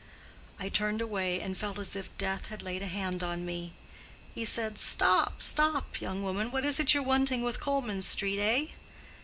I turned away and felt as if death had laid a hand on me. He said: 'Stop, stop! young woman; what is it you're wanting with Colman Street, eh?